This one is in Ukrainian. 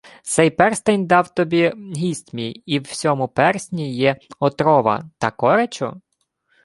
— Сей перстень дав тобі гість мій. І в сьому персні є отрова. Тако речу?